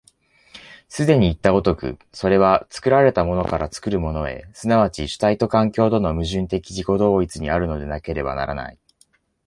既にいった如く、それは作られたものから作るものへ、即ち主体と環境との矛盾的自己同一にあるのでなければならない。